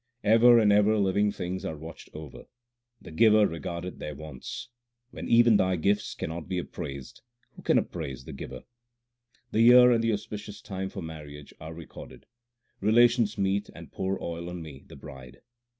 Ever and ever living things are watched over ; the Giver regardeth their wants. When even Thy gifts cannot be appraised, who can ap praise the Giver ? The year and the auspicious time for marriage are re corded ; relations meet and pour oil on me the bride.